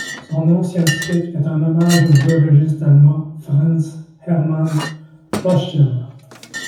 Son nom scientifique est un hommage au zoologiste allemand Franz Hermann Troschel.